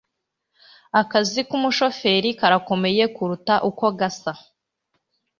Akazi k'umushoferi karakomeye kuruta uko gasa.